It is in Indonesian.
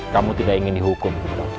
kamu tidak ingin dihukum